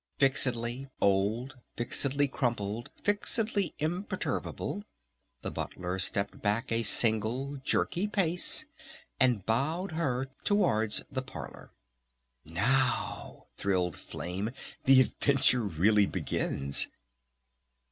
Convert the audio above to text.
Fixedly old, fixedly crumpled, fixedly imperturbable, the Butler stepped back a single jerky pace and bowed her towards the parlor. "Now," thrilled Flame, "the adventure really begins."